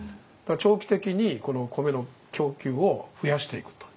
長期的に米の供給を増やしていくと。